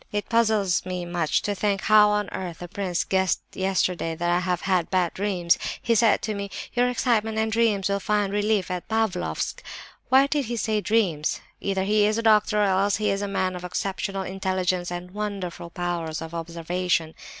"It puzzles me much to think how on earth the prince guessed yesterday that I have had bad dreams. He said to me, 'Your excitement and dreams will find relief at Pavlofsk.' Why did he say 'dreams'? Either he is a doctor, or else he is a man of exceptional intelligence and wonderful powers of observation.